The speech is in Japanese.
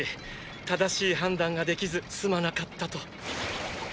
正しい判断ができずすまなかったと。